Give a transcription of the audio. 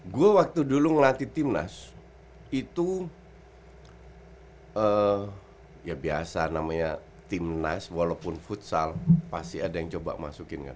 gue waktu dulu ngelatih timnas itu ya biasa namanya timnas walaupun futsal pasti ada yang coba masukin kan